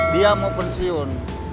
dia mau pensiun